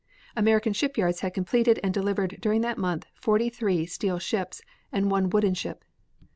American shipyards had completed and delivered during that month forty three steel ships and one wooden ship.